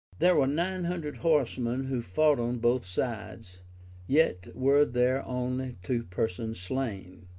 There were nine hundred horsemen who fought on both sides, yet were there only two persons slain.